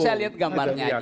saya lihat gambarnya aja